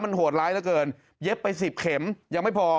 โหดร้ายเหลือเกินเย็บไปสิบเข็มยังไม่พอ